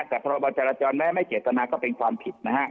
แต่พรบจรจรแม้ไม่เจตนาก็เป็นความผิดนะฮะ